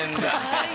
はい。